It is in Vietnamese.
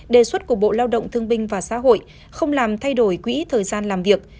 đề xuất của bộ lao động thương binh và xã hội không làm thay đổi quỹ thời gian làm việc